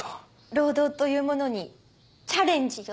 労働というものにチャレンジを。